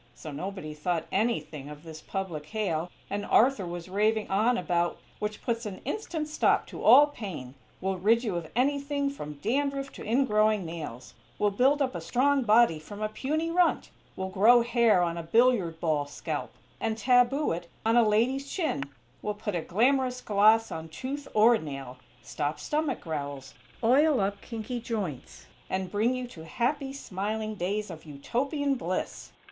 So nobody thought anything of this public hail and Arthur was raving on about "which puts an instant stop to all pain; will rid you of anything from dandruff to ingrowing nails; will build up a strong body from a puny runt; will grow hair on a billiard ball scalp, and taboo it on a lady's chin; will put a glamorous gloss on tooth or nail; stop stomach growls; oil up kinky joints, and bring you to happy, smiling days of Utopian bliss!